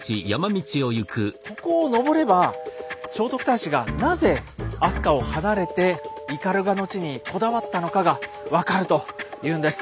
ここを登れば聖徳太子がなぜ飛鳥を離れて斑鳩の地にこだわったのかが分かるというんです。